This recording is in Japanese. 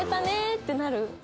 ってなる。